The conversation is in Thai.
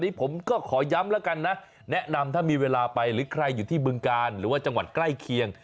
นี่ผมก็ขอย้ำแล้วกันนะแนะนำถ้ามีเวลาไปหรือใครอยู่ที่บึงการหรือว่าจังหวัดใกล้เคียง